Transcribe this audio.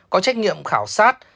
có trách nhiệm khảo sát